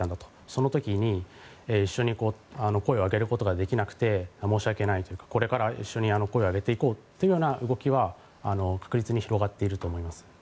その時に、一緒に声を上げることができなくて申し訳ないというかこれから一緒に声を上げていこうというような動きは確実に広がっていると思います。